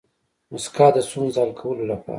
موسکا د ستونزو د حل کولو لپاره